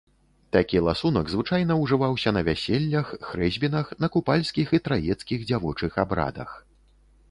Такі ласунак звычайна ўжываўся на вяселлях, хрэсьбінах, на купальскіх і траецкіх дзявочых абрадах.